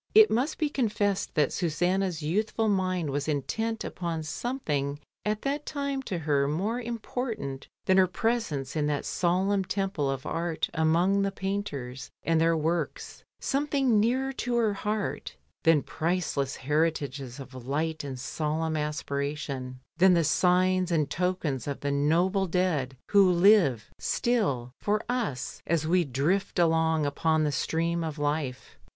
It must be confessed that Susanna's youthful mind was intent upon something at that time to her more important than her presence in that solemn temple of art among the painters and their works, something nearer to her heart than priceless heritages of light and solemn aspiration, than the signs and tokens of the noble dead who live still for us, as we drift along upon the stream of life.